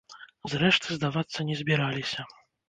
Зрэшты, здавацца не збіраліся.